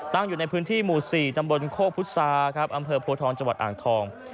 ตั้งอยู่ในพื้นที่หมู่๔ตำบลโค้กพุทธศาสตร์อำเภอพัวทองจังหวัดอ่างทอง